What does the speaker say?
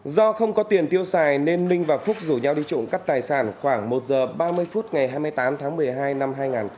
do không có tiền tiêu xài nên minh và phúc rủ nhau đi trộm cắt thầy sản khoảng một h ba mươi phút ngày hai mươi tám tháng một mươi hai năm hai nghìn một mươi tám